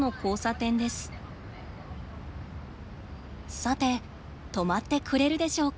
さて止まってくれるでしょうか。